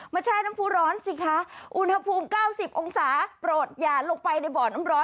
แช่น้ำผู้ร้อนสิคะอุณหภูมิ๙๐องศาโปรดอย่าลงไปในบ่อน้ำร้อน